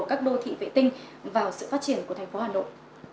các đô thị vệ tinh vào sự phát triển của thành phố hà nội